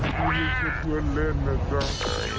พี่ไม่ใช่เพื่อนเล่นนะจ๊ะ